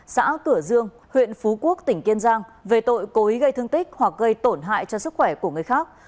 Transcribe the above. xã cửa dương huyện phú quốc tỉnh kiên giang về tội cố ý gây thương tích hoặc gây tổn hại cho sức khỏe của người khác